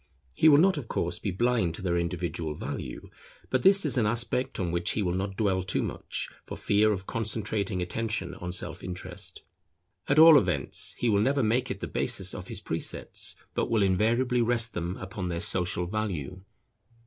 He will not of course be blind to their individual value; but this is an aspect on which he will not dwell too much, for fear of concentrating attention on self interest. At all events, he will never make it the basis of his precepts, but will invariably rest them upon their social value.